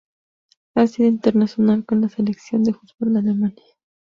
Ha sido internacional con la Selección de fútbol de Alemania.